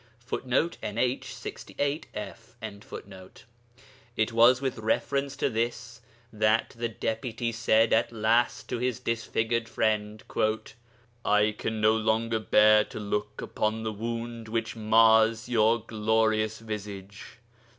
[Footnote: NH, 68 f.] It was with reference to this that the Deputy said at last to his disfigured friend, 'I can no longer bear to look upon the wound which mars your glorious visage.